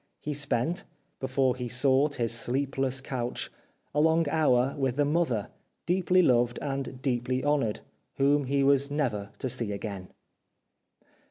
He spent, before he sought his sleepless couch, a long hour with the mother, deeply loved and deeply honoured, whom he was never to see again.